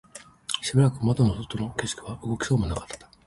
しばらく窓の外の景色は動きそうもなかった